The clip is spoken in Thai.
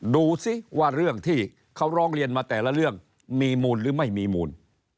ดูสิว่าเรื่องที่เขาร้องเรียนมาแต่ละเรื่องมีมูลหรือไม่มีมูล